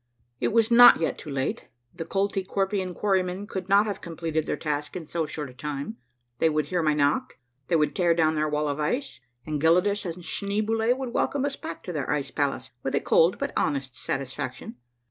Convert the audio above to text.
It was not yet too late, the Koltykwerpian quarrymen could not have completed their task in so short a time, they would hear my knock, they would tear down their wall of ice, and Gelidus and Schneeboule would welcome us back to their ice palace with a cold, but honest satisfaction.